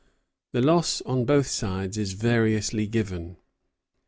The loss on both sides is variously given.